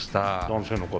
男性の方。